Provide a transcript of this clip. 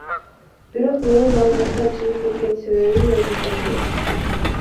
Бирок менин ал жактан чыгып кеткен себебим өзүнчө сөз.